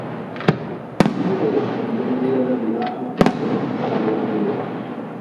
Quina és la millor manera d'arribar a la plaça del Fossar de les Moreres?